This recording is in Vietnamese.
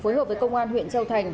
phối hợp với công an huyện châu thành